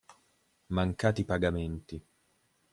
Mancati pagamenti.